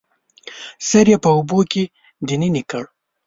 سر یې په اوبو کې دننه کړ